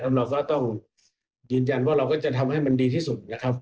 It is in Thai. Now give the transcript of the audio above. เราก็ต้องยืนยันว่าเราก็จะทำให้มันดีที่สุดนะครับ